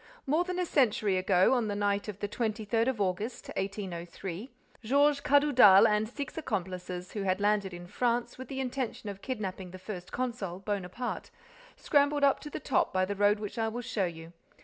More than a century ago, on the night of the twenty third of August, 1803, Georges Cadoudal and six accomplices, who had landed in France with the intention of kidnapping the first consul, Bonaparte, scrambled up to the top by the road which I will show you.